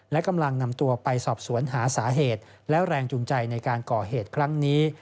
และกำลังนำตัวไปสอบสวนหาสาเหตุและแรงจูงใจในการก่อเหตุครั้งนี้